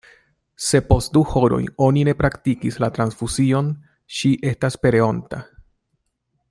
Se post du horoj oni ne praktikis la transfuzion, ŝi estas pereonta.